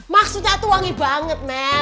maksudnya tuh wangi banget mel